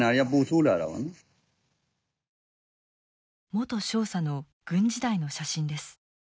元少佐の軍時代の写真です。